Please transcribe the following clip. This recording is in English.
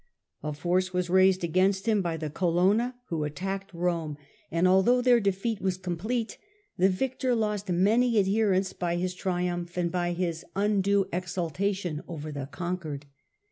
A force was raised against him by the Colonna, who attacked Rome, ITALY, 1313 1378 85 and although their defeat was complete, the victor lost many adherents by his triumph and by his undue exul tation over the conquered.